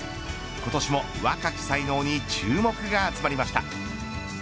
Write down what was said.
今年も若き才能に注目が集まりました。